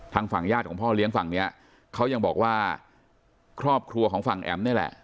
ทางฝั่งญาติของพ่อเลี้ยงฝั่งเนี้ยเขายังบอกว่าครอบครัวของฝั่งแอ๋มนี่แหละ